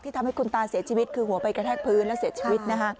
ทำให้คุณตาเสียชีวิตคือหัวไปกระแทกพื้นแล้วเสียชีวิตนะคะ